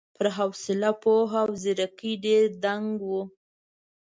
پر حوصله، پوهه او ځېرکۍ ډېر دنګ و.